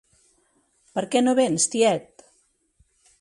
Per què no vens, tiet?